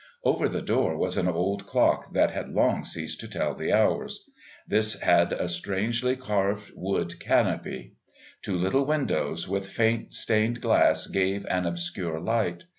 Over the door was an old clock that had long ceased to tell the hours; this had a strangely carved wood canopy. Two little windows with faint stained glass gave an obscure light.